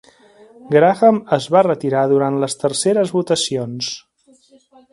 Graham es va retirar durant les terceres votacions.